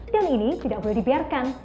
dan ini tidak boleh dibiarkan